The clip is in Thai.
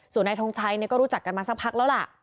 ส่วนนายทงชัยก็รู้จักกันมาสักพักแล้วล่ะ